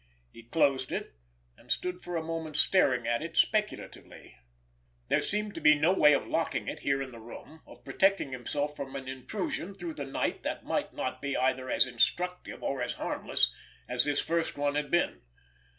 He closed it, and stood for a moment staring at it speculatively. There seemed no way of locking it here in the room, of protecting himself from an intrusion through the night that might not be either as instructive or as harmless as this first one had been.